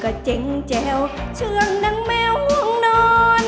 กระเจ๊งแจวชื่อหนังแมวห่วงนอน